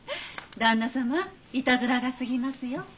旦那様いたずらが過ぎますよ。